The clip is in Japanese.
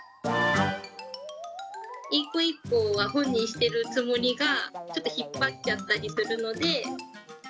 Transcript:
いいこいいこを、本人はしているつもりが、ちょっと引っ張っちゃったりするので。